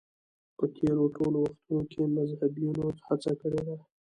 په تېرو ټولو وختونو کې مذهبيونو هڅه کړې ده.